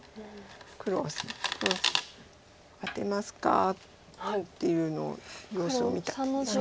黒は「アテますか？」っていうのを様子を見た手です。